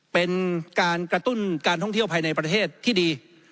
เป็นการกระตุ้นการท่องเที่ยวภายในประเทศที่ดี